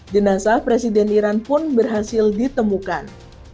jenazah presiden iran pun berhasil ditemukan